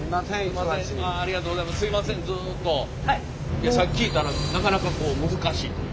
いやさっき聞いたらなかなか難しいという。